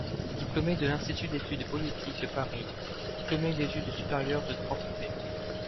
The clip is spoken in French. Diplômé de l'Institut d'études politiques de Paris, diplômé d'études supérieures de droit privé.